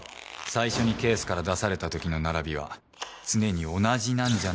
最初にケースから出されたときの並びは常に同じなんじゃないかって。